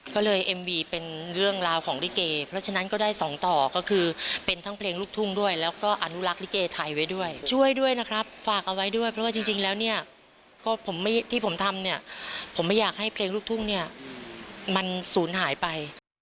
ก็เลยเอ็มวีเป็นเรื่องราวของลิเกเพราะฉะนั้นก็ได้สองต่อก็คือเป็นทั้งเพลงลูกทุ่งด้วยแล้วก็อนุรักษ์ลิเกไทยไว้ด้วยช่วยด้วยนะครับฝากเอาไว้ด้วยเพราะว่าจริงแล้วเนี่ยก็ผมไม่ที่ผมทำเนี่ยผมไม่อยากให้เพลงลูกทุ่งเนี่ยมันศูนย์หายไป